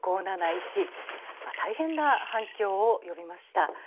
大変な反響を呼びました。